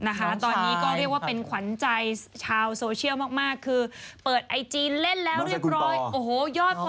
นะคะตอนนี้ก็เรียกว่าเป็นขวัญใจชาวโซเชียลมากมากคือเปิดไอจีเล่นแล้วเรียบร้อยโอ้โหยอดพอ